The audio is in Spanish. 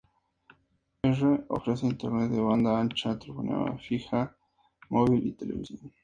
R ofrece Internet de banda ancha, telefonía fija, móvil y televisión.